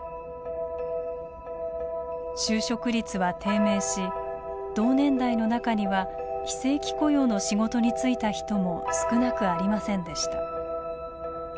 就職率は低迷し、同年代の中には非正規雇用の仕事に就いた人も少なくありませんでした。